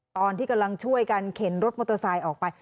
ตอนที่กำลังช่วยกันเข็นรถมอเตอร์ไซค์ออกไป